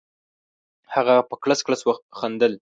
هغه په کړس کړس خندل.